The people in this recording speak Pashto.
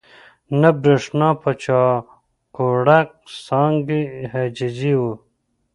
نه برېښنا په چاقوړک، سانکۍ ججي وو